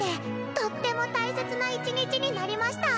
「とっても大切な１日になりました」。